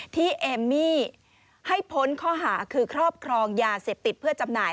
เอมมี่ให้พ้นข้อหาคือครอบครองยาเสพติดเพื่อจำหน่าย